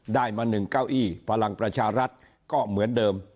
ได้มา๑เก้าอี้พลังประชารัฐก็เหมือนเดิม